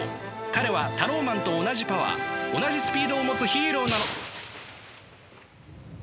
彼はタローマンと同じパワー同じスピードを持つヒーローなの。